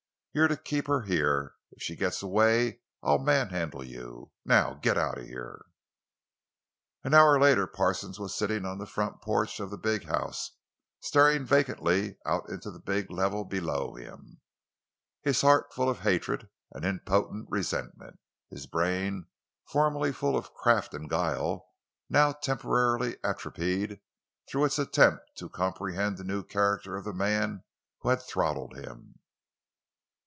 You're to keep her here. If she gets away I'll manhandle you! Now get out of here!" An hour later Parsons was sitting on the front porch of the big house, staring vacantly out into the big level below him, his heart full of hatred and impotent resentment; his brain, formerly full of craft and guile, now temporarily atrophied through its attempts to comprehend the new character of the man who had throttled him.